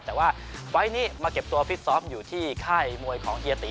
แต่ว่าไฟล์นี้มาเก็บตัวฟิตซ้อมอยู่ที่ค่ายมวยของเฮียตี